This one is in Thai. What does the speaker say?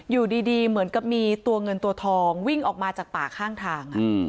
อยู่ดีเหมือนกับมีตัวเงินตัวทองวิ่งออกมาจากป่าข้างทาง